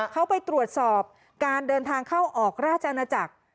เขาไปตรวจสอบการเดินทางเข้าออกราชอาณาจักร